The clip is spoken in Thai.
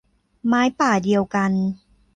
ไม้ป่าเดียวกัน